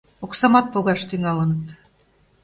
Оксамат погаш тӱҥалыныт.